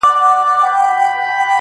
لکه مړی وو بې واکه سوی سکور وو٫